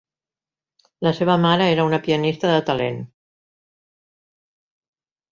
La seva mare era una pianista de talent.